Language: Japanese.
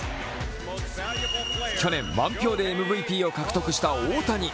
去年、満票でＭＶＰを獲得した大谷。